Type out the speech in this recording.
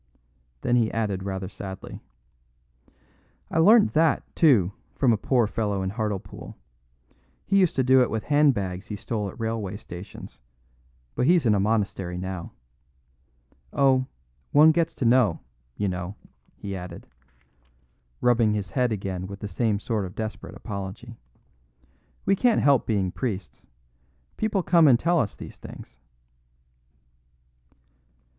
Then he added rather sadly: "I learnt that, too, from a poor fellow in Hartlepool. He used to do it with handbags he stole at railway stations, but he's in a monastery now. Oh, one gets to know, you know," he added, rubbing his head again with the same sort of desperate apology. "We can't help being priests. People come and tell us these things."